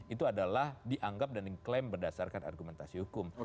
itu adalah dianggap dan diklaim berdasarkan argumentasi hukum